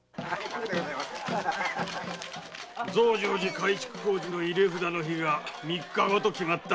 増上寺改築工事の入れ札の日が三日後と決まった。